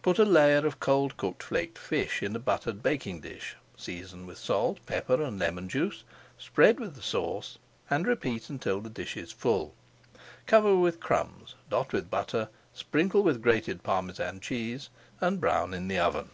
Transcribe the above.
Put a layer of cold cooked flaked fish in a buttered baking dish, season with salt, pepper, and lemon juice, spread with the sauce, and repeat until the dish is full. Cover with crumbs, dot with butter, sprinkle with grated Parmesan cheese, and brown in the oven.